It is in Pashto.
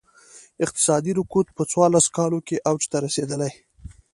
اقتصادي رکود په څوارلس کالو کې اوج ته رسېدلی.